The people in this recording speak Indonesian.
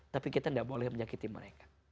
tapi kita gak boleh menjagiti mereka